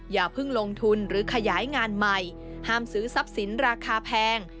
อย่าเพิ่งลงทุนหรือขยายงานใหม่ห้ามซื้อทรัพย์สินราคาแพง